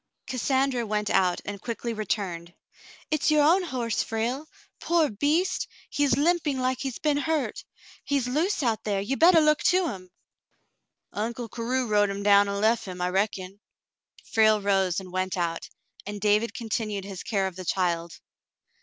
Cassandra went out and quickly returned. " It's your own horse, Frale. Poor beast ! He's limping like he's been hurt. He's loose out there. You better look to him." " Uncle Carew rode him down an' lef him, I reckon." Frale rose and went out, and David continued his care of the child.